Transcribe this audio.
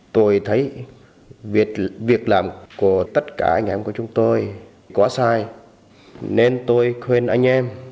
tôi thấy việc làm của tất cả anh em của chúng tôi quá sai nên tôi khuyên anh em